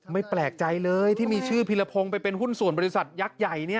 แปลกใจเลยที่มีชื่อพิรพงศ์ไปเป็นหุ้นส่วนบริษัทยักษ์ใหญ่